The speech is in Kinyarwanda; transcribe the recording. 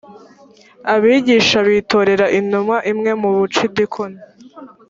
abigisha b itorera intumwa imwe mu bucidikoni